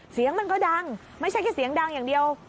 เสียงมันก็ดังไม่ใช่แค่เสียงดังอย่างเดียว